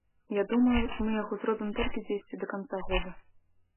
Я думаю, мы яго зробім толькі дзесьці да канца года.